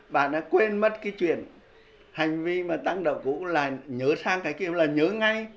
bạn đã quên mất cái chuyện hành vi mà tăng độc cũng là nhớ sang cái kiểu là nhớ ngay